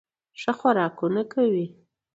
ښه خوراکونه کوي